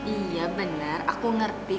iya bener aku ngerti